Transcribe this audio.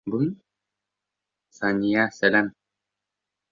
Сания, сәләм!